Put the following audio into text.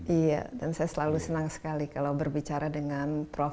iya dan saya selalu senang sekali kalau berbicara dengan prof